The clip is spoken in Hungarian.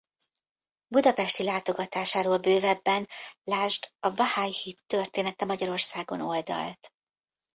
Budapesti látogatásáról bővebben lásd a A bahái hit története Magyarországon oldalt.